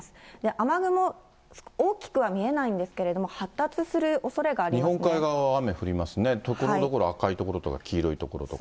雨雲、大きくは見えないんですけど、日本海側は雨降りますね、ところどころ赤い所とか黄色い所とか。